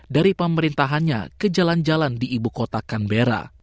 dari pemerintahannya ke jalan jalan di ibu kota canberra